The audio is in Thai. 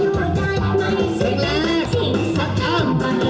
เพื่อถ้าใครก็เข้ามา